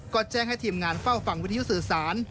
ก็แจ้งให้ทีมงานเฝ้าฟังวิทยุสื่อสาร